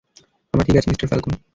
আমরা ঠিক আছি, মিস্টার ফ্যালকোন।